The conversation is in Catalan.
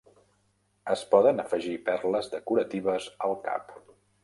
Es poden afegir perles decoratives al cap.